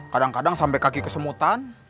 kadang kadang sampai kaki kesemutan